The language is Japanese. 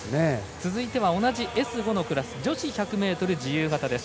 続いては同じＳ５のクラス女子１００ｍ自由形です。